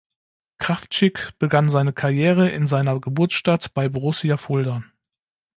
Krawczyk begann seine Karriere in seiner Geburtsstadt bei Borussia Fulda.